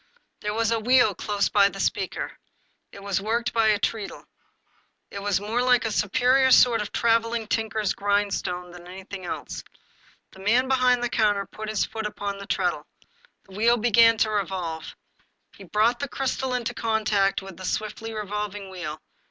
There was a wheel close by the speaker. It was worked by a treadle. It was more like a superior sort of traveling tinker's grindstone than anything else. The man behind the counter put his foot upon the treadle. The wheel be gan to revolve. He brought the crystal into contact with the swiftly revolving wheel.